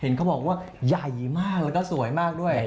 เขาบอกว่าใหญ่มากแล้วก็สวยมากด้วย